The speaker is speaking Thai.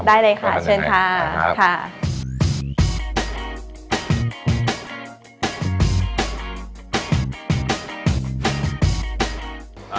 ได้เลยค่ะเช่นครับ